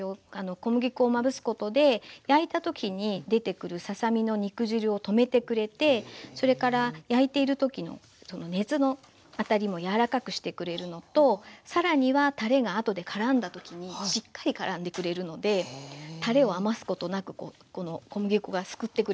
小麦粉をまぶすことで焼いた時に出てくるささ身の肉汁を止めてくれてそれから焼いている時の熱の当たりもやわらかくしてくれるのと更にはたれが後でからんだ時にしっかりからんでくれるのでたれを余すことなくこの小麦粉が救ってくれます。